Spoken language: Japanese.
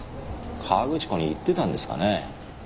河口湖に行ってたんですかね？